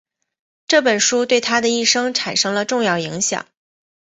这本书对他的一生产生了重要影响。